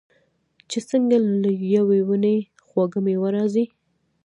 چې څنګه له یوې ونې خوږه میوه راځي.